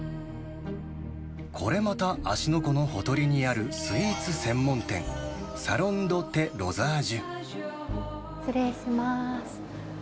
これまた芦ノ湖のほとりにあるスイーツ専門店、失礼します。